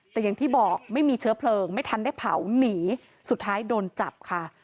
แต่อย่างที่บอกไม่มีเชื้อเพลิงไม่ทันได้เผาหนีสุดท้ายโดนจับค่ะ